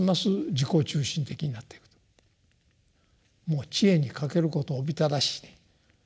もう智慧に欠けることおびただしい。